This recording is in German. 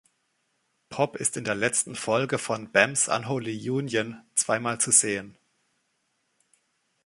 Pop ist in der letzten Folge von "Bam's Unholy Union" zweimal zu sehen.